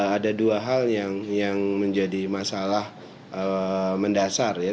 ada dua hal yang menjadi masalah mendasar ya